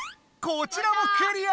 こちらもクリア！